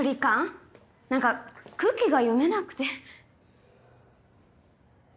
何か空気が読めなくて。